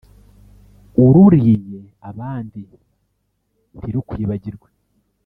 Ururiye abandi ntirukwibagiwe.